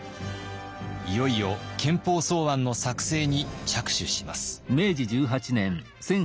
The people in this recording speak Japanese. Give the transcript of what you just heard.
いよいよ憲法草案の作成に着手します。